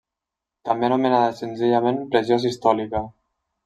També anomenada senzillament pressió sistòlica.